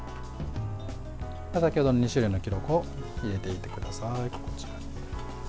先ほどの２種類のきのこを入れてください。